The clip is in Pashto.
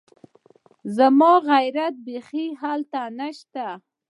زما عزت بيخي هلته نشته